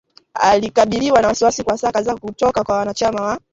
alikabiliwa na maswali kwa saa kadhaa kutoka kwa wanachama wa